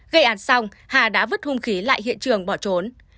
gây án xong hà đã vứt hung khí lại hiện trường bỏ trốn